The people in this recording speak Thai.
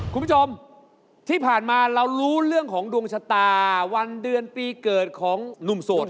คุณผู้ชมที่ผ่านมาเรารู้เรื่องของดวงชะตาวันเดือนปีเกิดของหนุ่มโสด